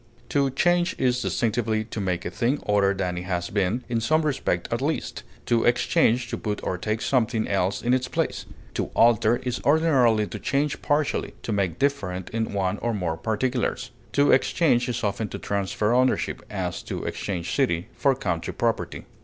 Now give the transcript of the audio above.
To change is distinctively to make a thing other than it has been, in some respect at least; to exchange to put or take something else in its place; to alter is ordinarily to change partially, to make different in one or more particulars. To exchange is often to transfer ownership; as, to exchange city for country property.